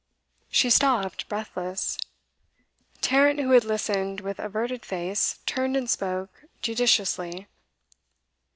She stopped, breathless. Tarrant, who had listened with averted face, turned and spoke judicially.